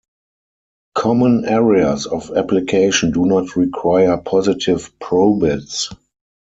Common areas of application do not require positive probits.